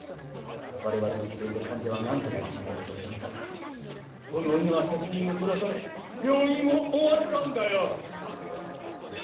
我々の機転で患者は何とか一命を取り留めたがこの女は責任を取らされ病院を追われたんだよ！